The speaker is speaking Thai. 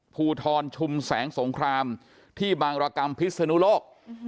ภูทรชุมแสงสงครามที่บางรกรรมพิศนุโลก